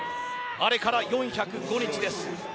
あれから４０５日です。